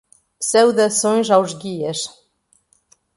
Saudações aos guias